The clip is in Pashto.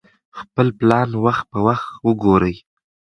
خپل پلان وخت په وخت وګورئ.